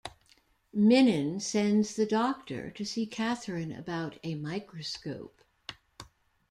Minin sends the Doctor to see Catherine about a microscope.